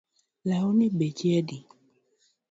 Lawni beche adi?